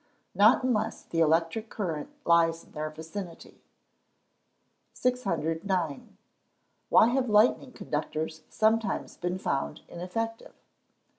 _ Not unless the electric current lies in their vicinity. 609. _Why have lightning conductors sometimes been found ineffective?